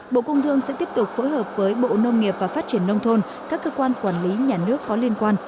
bộ công thương sẽ tiếp tục phối hợp với bộ nông nghiệp và phát triển nông thôn các cơ quan quản lý nhà nước có liên quan